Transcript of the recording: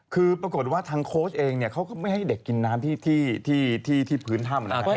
คือปรากฏว่าทางโค้ชเองเขาก็ไม่ให้เด็กกินน้ำที่พื้นถ้ำนะครับ